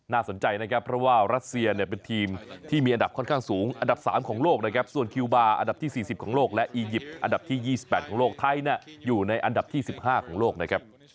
สนใจนะครับเพราะว่ารัสเซียเนี่ยเป็นทีมที่มีอันดับค่อนข้างสูงอันดับ๓ของโลกนะครับส่วนคิวบาร์อันดับที่๔๐ของโลกและอียิปต์อันดับที่๒๘ของโลกไทยอยู่ในอันดับที่๑๕ของโลกนะครับ